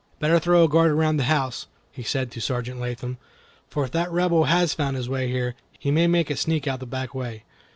"Better throw a guard around the house," he said to Sergeant Latham, "for if that Rebel has found his way here, he may make a sneak out the back way.